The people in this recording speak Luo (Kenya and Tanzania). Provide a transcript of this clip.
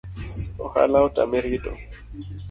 Ohala otame rito